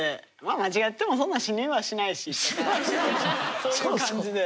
間違ってもそんな死にはしないしとかそういう感じで。